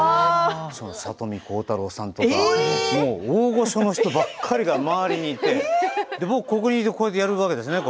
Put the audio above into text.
里見浩太朗さんとか大御所の人ばかりが周りにいて僕ここにいてやるわけですよね